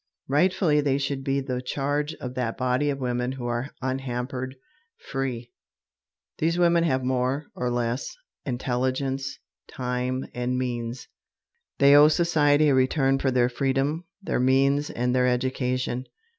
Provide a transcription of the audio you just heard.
Rightfully they should be the charge of that body of women who are unhampered, "free." These women have more, or less, intelligence, time, and means. They owe society a return for their freedom, their means, and their education.